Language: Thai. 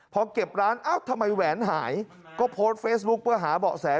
พอเก็บร้านเอ้าทำไมแหวนหายก็โพสต์เฟซบุ๊คเพื่อหาเบาะแส